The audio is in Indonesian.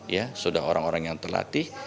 ya sudah orang orang yang terlatih